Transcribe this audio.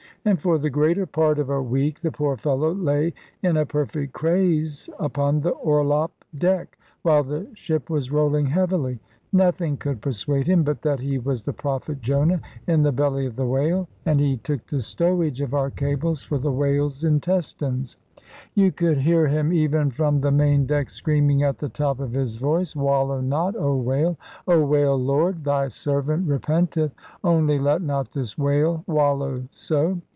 And for the greater part of a week, the poor fellow lay in a perfect craze upon the orlop deck, while the ship was rolling heavily. Nothing could persuade him but that he was the prophet Jonah in the belly of the whale, and he took the stowage of our cables for the whale's intestines. You could hear him even from the main deck screaming at the top of his voice, "Wallow not, O whale! O whale! Lord, Thy servant repenteth, only let not this whale wallow so."